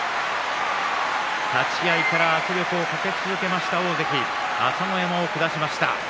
立ち合いから圧力をかけ続けました大関朝乃山を下しました。